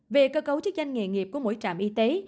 về cơ cấu chức danh nghề nghiệp của mỗi trạm y tế